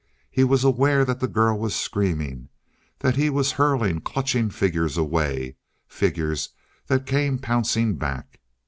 He was aware that the girl was screaming and that he was hurling clutching figures away figures that came pouncing back.